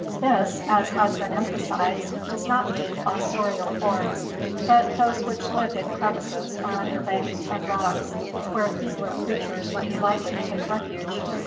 This, as has been empha sized, does not mean fossorial forms but those which lived in crevices or under banks and rocks where feebler creatures would ♦ be likely to take refuge.